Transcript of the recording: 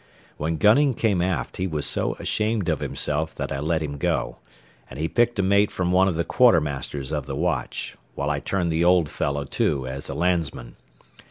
When Gunning came aft, he was so ashamed of himself that I let him go, and he picked a mate from one of the quartermasters of the watch, while I turned the old fellow to as a landsman.